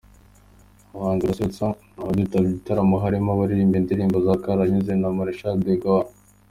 Abahanzi bazasusurutsa abazitabira icyo gitaramo harimo abaririmba indirimbo za karahanyuze nka Maréchal De Gaulle.